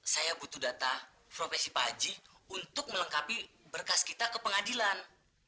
saya butuh data profesi pak haji untuk melengkapi berkas kita ke pengadilan